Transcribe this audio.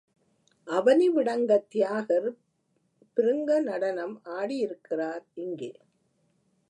அவனிவிடங்கத் தியாகர் பிருங்க நடனம் ஆடியிருக்கிறார் இங்கே.